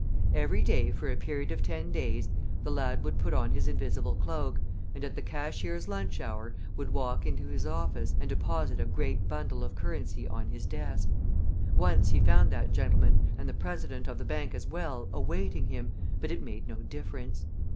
Every day for a period of ten days the lad would put on his invisible cloak, and at the cashier's lunch hour would walk into his office and deposit a great bundle of currency on his desk. Once he found that gentleman, and the president of the bank as well, awaiting him, but it made no difference.